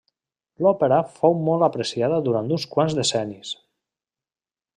L'òpera fou molt apreciada durant uns quants decennis.